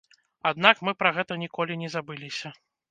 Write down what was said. Аднак, мы пра гэта ніколі не забыліся.